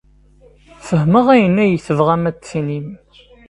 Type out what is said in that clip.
Fehmeɣ ayen ay tebɣam ad d-tinim.